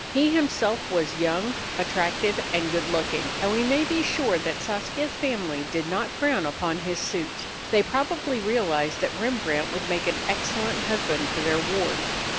He himself was young, attractive, and good looking; and we may be sure that Saskia's family did not frown upon his suit. They probably realized that Rembrandt would make an excellent husband for their ward.